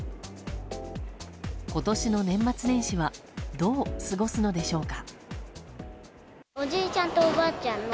今年の年末年始はどう過ごすのでしょうか。